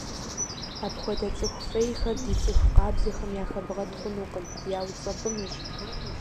Апхуэдэ цӀыху фӀейхэр ди цӀыху къабзэхэм яхэбгъэт хъунукъым, яуцӀэпӀынущ.